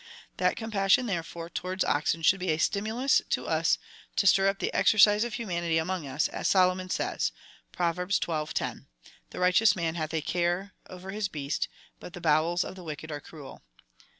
That compassion, therefore, towards oxen should be a stimulus to us to stir up to the exercise of humanity among us, as Solomon says, (Pro v. xii. 10,) The righteous man hath a care over his beast, hut the botvels of the wicked are cniel.